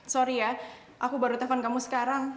sorry ya aku baru telepon kamu sekarang